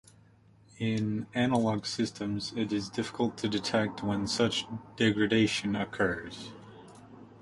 In analog systems, it is difficult to detect when such degradation occurs.